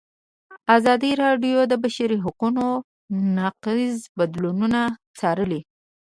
ازادي راډیو د د بشري حقونو نقض بدلونونه څارلي.